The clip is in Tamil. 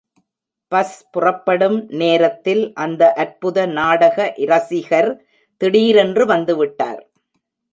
பஸ் புறப்படும் நேரத்தில் அந்த அற்புத நாடக இரசிகர் திடீரென்று வந்து விட்டார்.